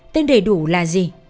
tên đầy đủ là gì